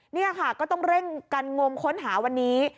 นี่ค่ะก็ต้องเร่งกันงมค้นหาวันนี้